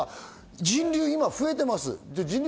人流は今、増えてます。